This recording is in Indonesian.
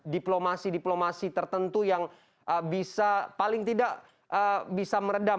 diplomasi diplomasi tertentu yang bisa paling tidak bisa meredam